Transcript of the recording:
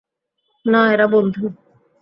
না, এরা বন্ধু!